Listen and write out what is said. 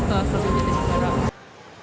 itu akan jadi jangkaan